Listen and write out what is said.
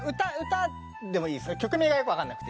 曲名がよくわかんなくて。